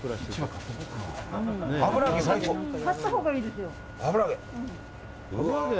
買ったほうがいいですよ。